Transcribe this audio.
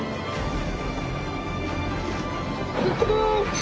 行ってきます！